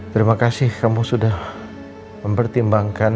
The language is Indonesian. terima kasih kamu sudah mempertimbangkan